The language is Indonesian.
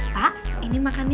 pak ini makan ya